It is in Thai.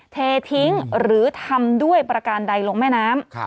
เททิ้งหรือทำด้วยประการใดลงแม่น้ำ